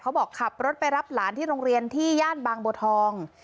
บอกขับรถไปรับหลานที่โรงเรียนที่ย่านบางบัวทอง